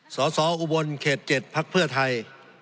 สสอุบลเขต๗พักเพื่อไทย